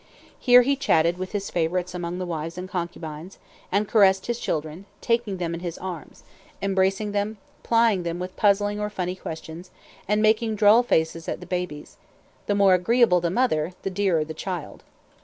Here he chatted with his favorites among the wives and concubines, and caressed his children, taking them in his arms, embracing them, plying them with puzzling or funny questions, and making droll faces at the babies: the more agreeable the mother, the dearer the child.